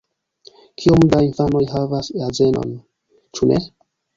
Kiom da infanoj havas azenon? Ĉu ne?